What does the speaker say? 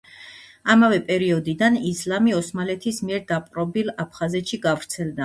ამავე პერიოდიდან ისლამი ოსმალეთის მიერ დაპყრობილ აფხაზეთშიც გავრცელდა.